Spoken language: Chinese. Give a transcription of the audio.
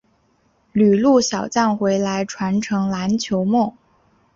旅陆小将回来传承篮球梦